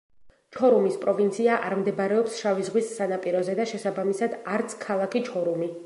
ჩორუმის პროვინცია არ მდებარეობს შავი ზღვის სანაპიროზე და შესაბამისად, არც ქალაქი ჩორუმი.